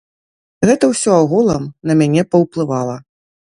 Гэта ўсё агулам на мяне паўплывала.